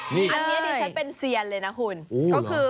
อันนี้ดิฉันเป็นเซียนเลยนะคุณก็คือ